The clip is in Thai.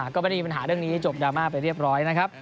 ก็ไม่ได้มีปัญหาเรื่องนี้จบดราม่าไปเรียบร้อยนะครับ